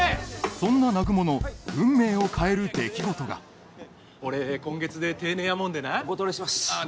そんな南雲の運命を変える出来事が俺今月で定年やもんでなお断りしますああ